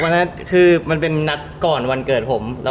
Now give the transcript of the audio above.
วันนั้นคือมันเป็นนัดก่อนวันเกิดผม